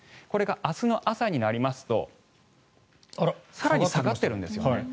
これが明日の朝になりますと更に下がっているんですね。